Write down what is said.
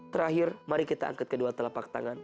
terakhir mari kita angkat kedua telapak tangan